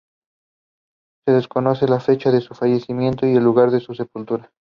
Se desconoce la fecha de su fallecimiento y el lugar de su sepultura.